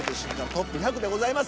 ＴＯＰ１００』でございます。